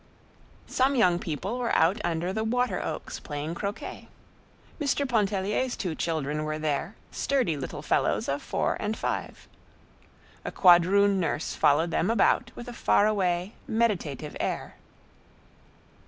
Some young people were out under the water oaks playing croquet. Mr. Pontellier's two children were there—sturdy little fellows of four and five. A quadroon nurse followed them about with a faraway, meditative air.